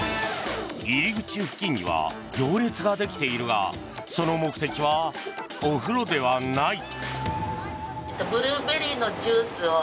入り口付近には行列ができているがその目的はお風呂ではない。